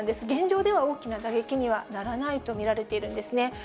現状では、大きな打撃にはならないと見られているんですね。